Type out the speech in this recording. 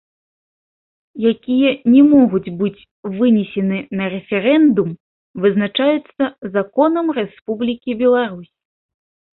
Якія не могуць быць вынесены на рэферэндум, вызначаюцца законам Рэспублікі Беларусь.